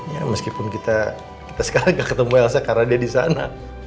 ya meskipun kita sekarang gak ketemu elsa karena dia di sana